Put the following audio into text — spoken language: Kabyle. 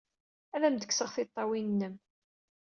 Ad am-d-kksent tiṭṭawin-nnem!